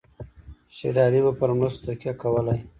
شېر علي به پر مرستو تکیه کولای.